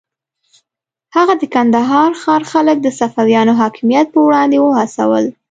هغه د کندهار ښار خلک د صفویانو حاکمیت پر وړاندې وهڅول.